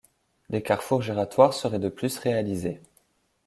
Des carrefours giratoires seraient de plus réalisés.